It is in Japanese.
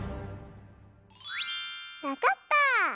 わかった！